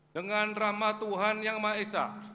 dengan rahmat tuhan yang maha esa